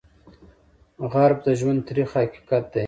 غریب د ژوند تریخ حقیقت دی